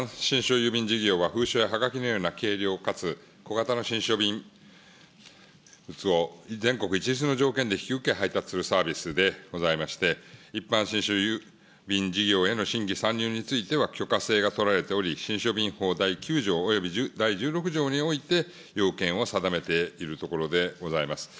郵便事業は封書やはがきのような軽量かつ小型の信書便物を全国一律の条件で引き受け、配達するサービスでございまして、一般信書郵便事業への新規参入については許可制が取られておりまして、信書便法第９条及び第１６条において要件を定めているところでございます。